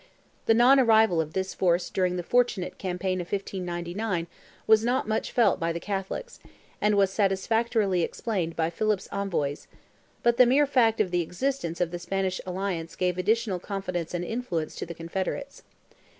The non arrival of this force during the fortunate campaign of 1599 was not much felt by the Catholics; and was satisfactorily explained by Philip's envoys—but the mere fact of the existence of the Spanish alliance gave additional confidence and influence to the confederates.